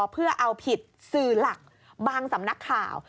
เพื่อเอาผิดสื่อหลักบางสำนักข่าว